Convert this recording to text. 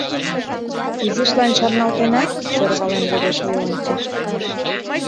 — Изишлан чарналтена? — сӧрвален йодеш Леонтий.